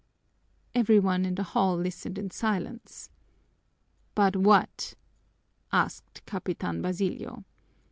Every one in the hall listened in silence. "But what?" asked Capitan Basilio.